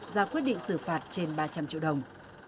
ra quyết định xử phạt trên ba trăm linh triệu đồng